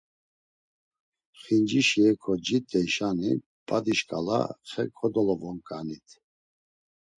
Xincişi heko cit̆eyşani badi şǩala xe kodolovoǩanit.